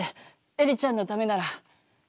エリちゃんのためなら。